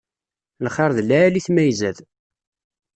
Lxiṛ d lɛali-t ma izad.